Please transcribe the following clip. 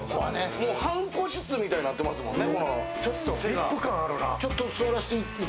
半個室みたいになってますもんね。